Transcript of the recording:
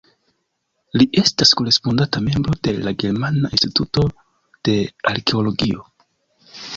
Li estas Korespondanta Membro de la Germana Instituto de Arkeologio.